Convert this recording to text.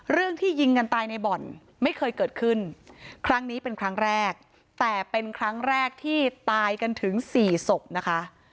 เรื่องที่ยิงกันตายในบ่อนไม่เคยเกิดขึ้นครั้งนี้เป็นครั้งแรกแต่เป็นครั้งแรกที่ตายกันถึงสี่ศพนะคะ